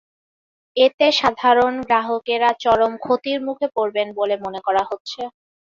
এতে সাধারণ গ্রাহকেরা চরম ক্ষতির মুখে পড়বেন বলে মনে করা হচ্ছে।